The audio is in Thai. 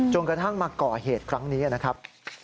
กระทั่งมาก่อเหตุครั้งนี้นะครับ